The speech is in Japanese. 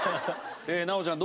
奈央ちゃん